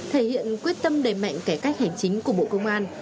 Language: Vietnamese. thể hiện quyết tâm đẩy mạnh cải cách hành chính của bộ công an